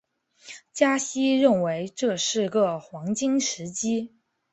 加西认为这是个黄金时机。